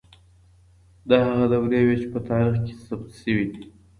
دا هغه دورې وې چي په تاريخ کي ثبت سوې دي.